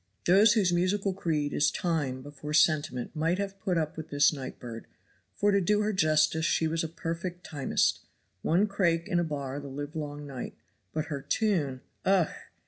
Those whose musical creed is Time before Sentiment might have put up with this night bird; for to do her justice she was a perfect timist one crake in a bar the livelong night; but her tune ugh!